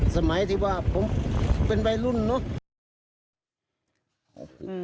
สมัยที่ผมเป็นใบรุ่นนู้น